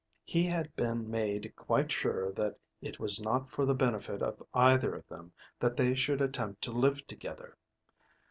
He had been made quite sure that it was not for the benefit of either of them that they should attempt to live together.